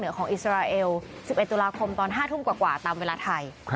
เมืองกาเรมเบนซิมร่านะคะอยู่ทางภาคเหนือของอิสราเอล๑๑ตุลาคมตอน๕ทุ่มกว่าตามเวลาไทย